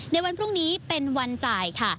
ในวันพรุ่งนี้เป็นวันจ่ายค่ะ